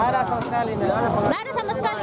nggak ada sama sekali